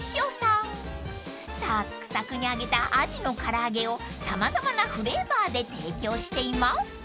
［サクサクに揚げたアジの唐揚げを様々なフレーバーで提供しています］